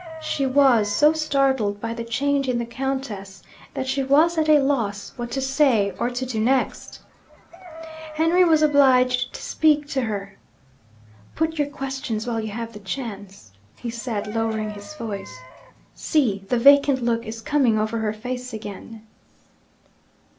She was so startled by the change in the Countess, that she was at a loss what to say or to do next. Henry was obliged to speak to her. 'Put your questions while you have the chance,' he said, lowering his voice. 'See! the vacant look is coming over her face again.'